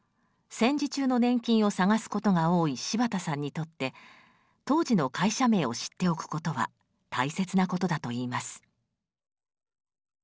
戦時中の年金を探すことが多い柴田さんにとって当時の会社名を知っておくことは大切なことだといいます。